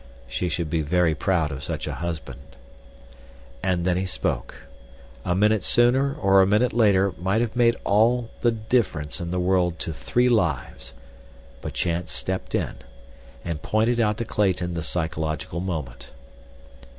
She should be very proud of such a husband. And then he spoke—a minute sooner or a minute later might have made all the difference in the world to three lives—but chance stepped in and pointed out to Clayton the psychological moment.